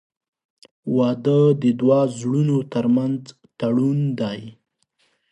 • واده د دوه زړونو تر منځ تړون دی.